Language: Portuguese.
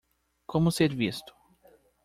Como ser visto